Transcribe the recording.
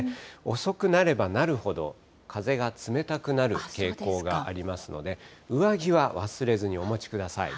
遅くなればなるほど、風が冷たくなる傾向がありますので、上着は忘れずにお持ちください。